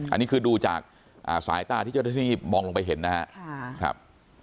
อันนี้คือดูจากสายตาที่เจ้าหน้าที่มองลงไปเห็นนะครับ